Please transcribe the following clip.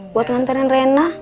buat nganterin rena